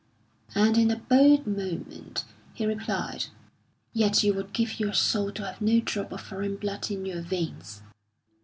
And in a bold moment he replied: "Yet you would give your soul to have no drop of foreign blood in your veins!"